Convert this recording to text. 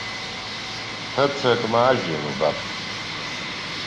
Ԥыҭрак ма ажәҩан убап!